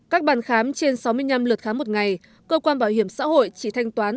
các bàn khám trên sáu mươi năm lượt khám một ngày cơ quan bảo hiểm xã hội chỉ thanh toán